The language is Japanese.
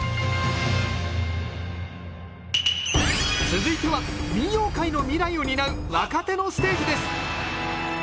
続いては民謡界の未来を担う若手のステージです。